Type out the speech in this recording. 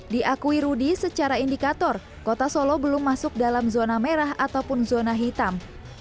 diakui rudy secara indikator kota solo belum masuk dalam zona merah ataupun zona hitam